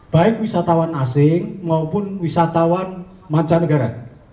baik wisatawan asing maupun wisatawan mancanegara